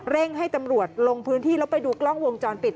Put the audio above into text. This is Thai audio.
ให้ตำรวจลงพื้นที่แล้วไปดูกล้องวงจรปิด